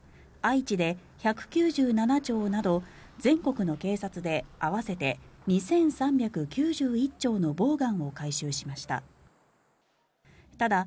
愛知で１９７丁など全国の警察で合わせて２３９１丁のボウガンを回収しました。